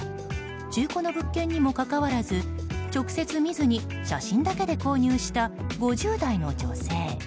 中古の物件にもかかわらず直接見ずに写真だけで購入した５０代の女性。